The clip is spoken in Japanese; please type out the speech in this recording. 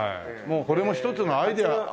これも一つのアイデアだからね。